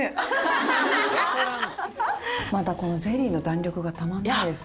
またこのゼリーの弾力がたまんないです。